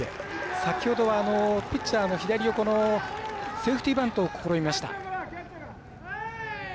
先ほどはピッチャーの左横のセーフティーバントを試みました。